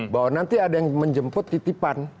bahwa nanti ada yang menjemput di tipan